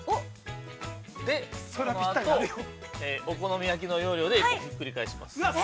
◆そのあと、◆お好み焼きの要領でお願いします。